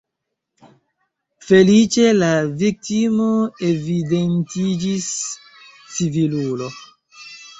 Feliĉe, la viktimo evidentiĝis civilulo.